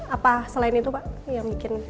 apa selain itu pak yang bikin